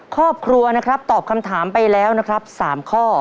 ครอบครัวนะครับตอบคำถามไปแล้วนะครับ๓ข้อ